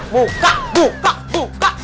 buka buka buka